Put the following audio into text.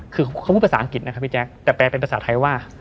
คือเขาพูดภาษาอังกฤษนะครับพี่แจ๊คแต่แปลเป็นภาษาไทยว่า